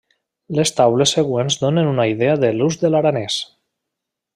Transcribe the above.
Les taules següents donen una idea de l'ús de l'aranès.